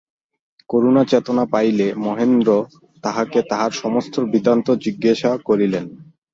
করুণা চেতনা পাইলে মহেন্দ্র তাহাকে তাঁহার সমস্ত বৃত্তান্ত জিজ্ঞাসা করিলেন।